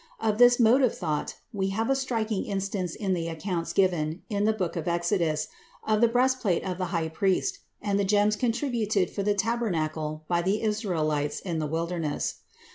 Of this mode of thought, we have a striking instance in the accounts given, in the book of Exodus, of the breastplate of the High priest, and the gems contributed for the tabernacle by the Israelites in the wilderness.